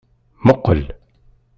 Muqel.